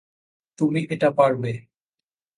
তুমি এটা পারবে।